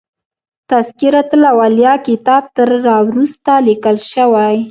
تذکرة الاولیاء کتاب تر را وروسته لیکل شوی.